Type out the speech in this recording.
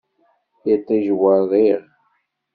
Iṭij werriɣ.